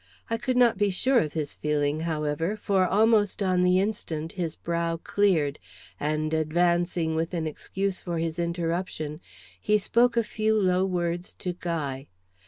I could not be sure of his feeling, however, for almost on the instant his brow cleared, and advancing with an excuse for his interruption, he spoke a few low words to Guy.